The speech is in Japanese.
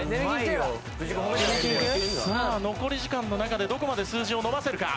さあ残り時間の中でどこまで数字を伸ばせるか？